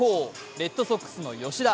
レッドソックスの吉田。